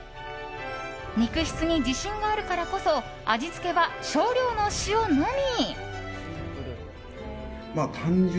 肉質に自信があるからこそ味付けは少量の塩のみ。